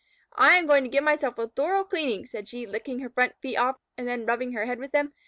"I am going to give myself a thorough cleaning," said she, licking her front feet off and then rubbing her head with them.